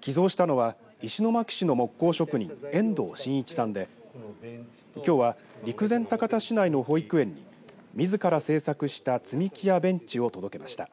寄贈したのは石巻市の木工職人遠藤伸一さんできょうは陸前高田市内の保育園にみずから制作した積み木やベンチを届けました。